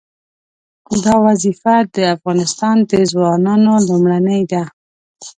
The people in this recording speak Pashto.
دا وظیفه د افغانستان د ځوانانو لومړنۍ ده.